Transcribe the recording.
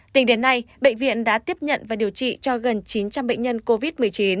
tính đến nay bệnh viện đã tiếp nhận và điều trị cho gần chín trăm linh bệnh nhân covid một mươi chín